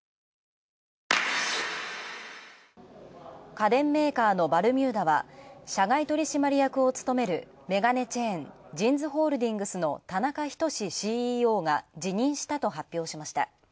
家電メーカーのバルミューダは社外取締役を務める眼鏡チェーン・ジンズホールディングスの田中仁ＣＥＯが辞任したと発表しました。